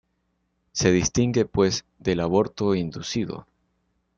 Se distingue pues del aborto inducido.